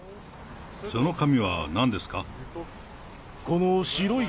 その紙はなんですか？